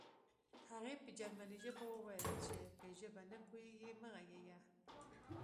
هغې په جرمني ژبه وویل چې که ژبه نه پوهېږې مه غږېږه